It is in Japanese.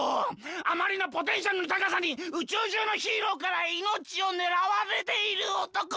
あまりのポテンシャルのたかさにうちゅうじゅうのヒーローからいのちをねらわれているおとこ！